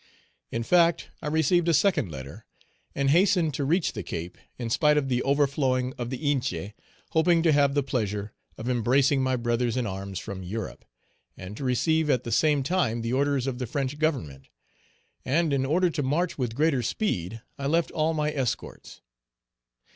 In fact, I received a second letter, and hastened to reach the Cape, in spite of the overflowing of the Hinche, hoping to have the pleasure of embracing Page 297 my brothers in arms from Europe, and to receive at the same time the orders of the French Government; and in order to march with greater speed, I left all my escorts.